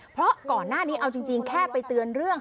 เพราะก่อนหน้านี้เอาจริงแค่ไปเตือนเรื่อง